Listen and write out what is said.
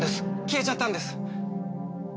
消えちゃったんです！